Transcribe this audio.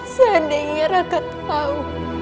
seandainya raka tahu